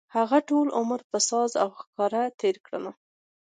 هغه ټول عمر په ساز او ښکار تېر کړ.